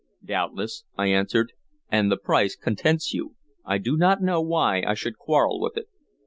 "Doubtless," I answered. "An the price contents you, I do not know why I should quarrel with it."